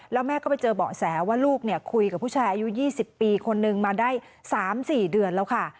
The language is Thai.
แล้วแม่ก็ไปเจอเบาะแสว่าลูกคุยกับผู้ชายอายุ๒๐ปีคนนึงมาได้๓๔เดือนแล้วค่ะ